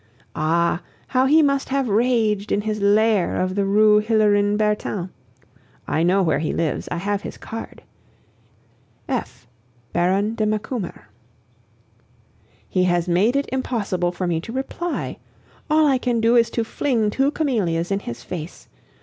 Ah! how he must have raged in his lair of the Rue Hillerin Bertin! I know where he lives, I have his card: F., Baron de Macumer. He has made it impossible for me to reply. All I can do is to fling two camellias in his face.